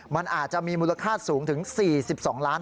มันอาจจะมีมูลค่าสูงถึง๔๒๕๐๐๐๐๐บาท